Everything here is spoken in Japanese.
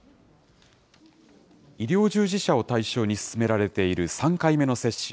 医療従事者を対象に進められている３回目の接種。